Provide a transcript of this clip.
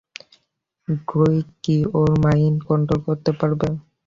Druig কি ওর mind control করতে পারবে?